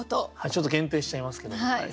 ちょっと限定しちゃいますけど。